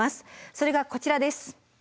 それがこちらです。